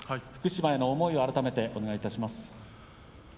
福島への思いを改めてお願いします。